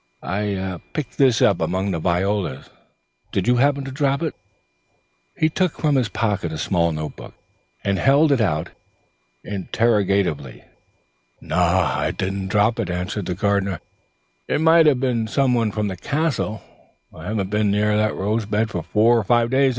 I picked this up among the violas. Did you happen to drop it?" He took from his pocket a small paper notebook, and held it out interrogatively. "Na, I hinna dropped it," answered the gardener. "It micht have been some one fay the castel. I hinna been near that rose bed for fower or five days.